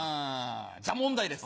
じゃあ問題です。